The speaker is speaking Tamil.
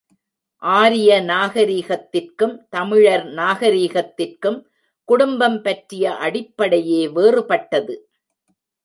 ஆரிய நாகரிகத்திற்கும், தமிழர் நாகரிகத்திற்கும் குடும்பம் பற்றிய அடிப்படையே வேறுபட்டது.